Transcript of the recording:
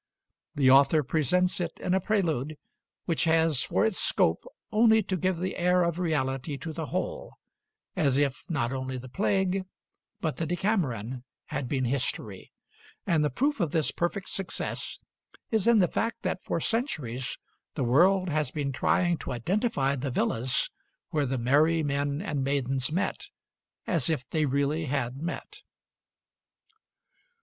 The author presents it in a prelude which has for its scope only to give the air of reality to the whole, as if not only the plague, but the 'Decameron,' had been history; and the proof of his perfect success is in the fact that for centuries the world has been trying to identify the villas where the merry men and maidens met, as if they really had met.